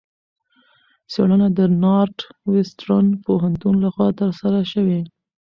څېړنه د نارت وېسټرن پوهنتون لخوا ترسره شوې.